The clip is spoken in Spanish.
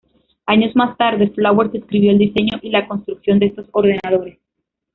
Años más tarde, Flowers describió el diseño y la construcción de estos ordenadores.